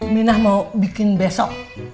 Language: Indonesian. minah mau bikin besok